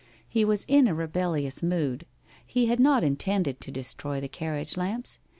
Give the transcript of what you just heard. He was in a rebellious mood. He had not intended to destroy the carriage lamps.